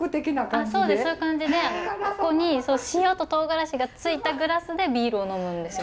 あっそうですそういう感じでここに塩と唐辛子がついたグラスでビールを呑むんですよ。